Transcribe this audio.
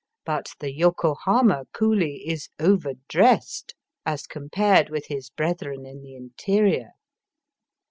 But the Yokohama coolie is overdressed as compared with his brethren in the interior.